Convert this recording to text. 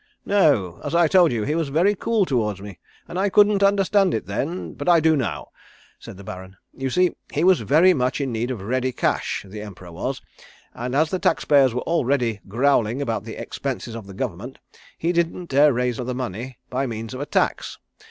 "No as I told you he was very cool towards me, and I couldn't understand it, then, but I do now," said the Baron. "You see he was very much in need of ready cash, the Emperor was, and as the taxpayers were already growling about the expenses of the Government he didn't dare raise the money by means of a tax.